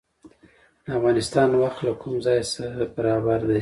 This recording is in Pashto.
د افغانستان وخت له کوم ځای سره برابر دی؟